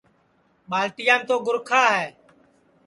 ٻالٹیام تو گُرکھا ہے